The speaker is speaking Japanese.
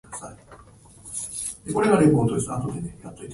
新しい資本主義